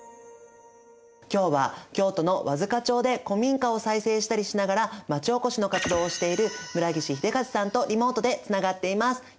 今日は京都の和束町で古民家を再生したりしながらまちおこしの活動をしている村岸秀和さんとリモートでつながっています。